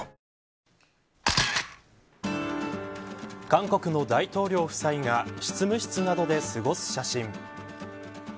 韓国の大統領夫妻が執務室などで過ごす写真。